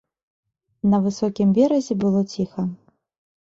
На высокім беразе было ціха.